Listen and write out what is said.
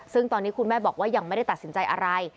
ซึ่งตอนนี้คุณแม่บอกว่ายังไม่ได้ตัดสินใจอะไร